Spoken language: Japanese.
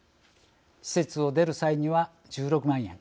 施設を出る際には１６万円。